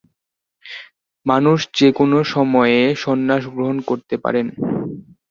মানুষ যে কোনো সময়ে সন্ন্যাস গ্রহণ করতে পারেন।